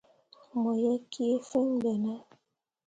Mo ye kii fìi ɓe ne ?